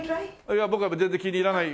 いや僕は全然気に入らない。